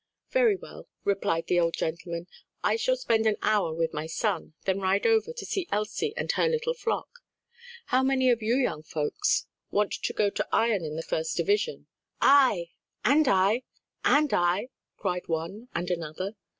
"Very well," replied the old gentleman, "I shall spend an hour with my son, then ride over to see Elsie and her little flock. How many of you young folks want to go to Ion in the first division?" "I!" "And I!" "And I!" cried one and another.